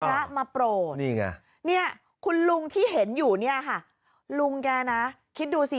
พระมาโปรดคุณลุงที่เห็นอยู่ลุงแกนะคิดดูสิ